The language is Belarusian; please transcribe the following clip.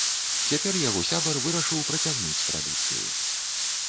Цяпер яго сябар вырашыў працягнуць традыцыю.